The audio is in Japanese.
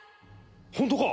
本当か！？